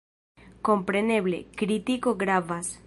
Kompreneble, kritiko gravas.